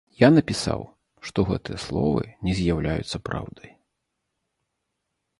Я напісаў, што гэтыя словы не з'яўляюцца праўдай.